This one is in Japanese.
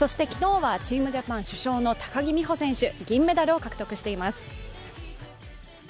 昨日はチームジャパン主将の高木美帆選手、銀メダルを獲得しています。